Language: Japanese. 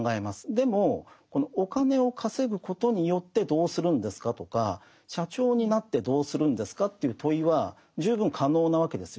でもお金を稼ぐことによってどうするんですか？とか社長になってどうするんですか？という問いは十分可能なわけですよね。